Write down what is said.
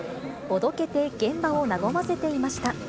おどけて現場を和ませていました。